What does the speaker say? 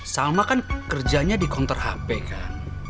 salma kan kerjanya di konter hp kan